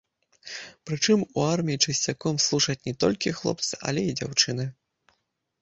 Прычым, у арміі часцяком служаць не толькі хлопцы, але і дзяўчыны.